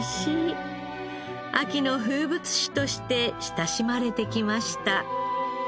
秋の風物詩として親しまれてきました。